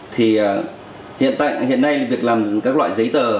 thì hiện nay việc làm các loại giấy tờ